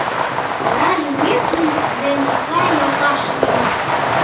Варажым ме тудын дене сай йолташ лийна.